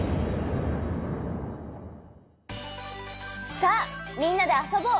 さあみんなであそぼう！